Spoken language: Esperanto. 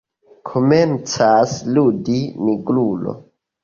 Komencas ludi Nigrulo.